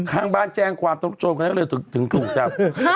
ข้างบ้านแจ้งความโจรก็เลยถึงถูกครับฮ่า